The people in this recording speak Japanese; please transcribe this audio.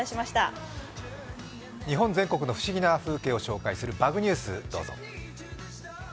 日本全国の不思議な紹介を紹介する「バグニュース」どうぞ。